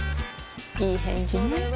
いい返事ね